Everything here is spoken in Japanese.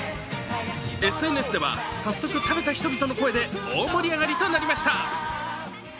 ＳＮＳでは、早速食べた人々の声で大盛り上がりとなりました。